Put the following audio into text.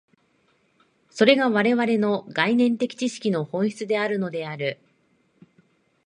それが我々の概念的知識の本質であるのである。